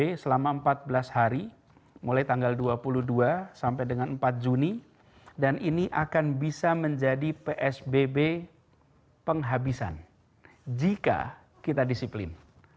psbb selama empat belas hari mulai tanggal dua puluh dua sampai dengan empat juni dan ini akan bisa menjadi psbb penghabisan jika kita disiplin